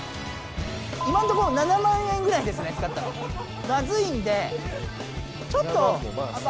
今のとこ７万円ぐらいですね使ったの。